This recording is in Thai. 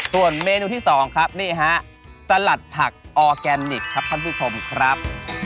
ส่วนเมนูที่สองสหัสผักออร์แกนิกครับท่านผู้ชมครับ